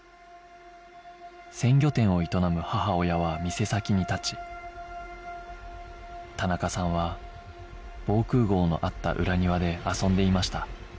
鮮魚店を営む母親は店先に立ち田中さんは防空壕のあった裏庭で遊んでいました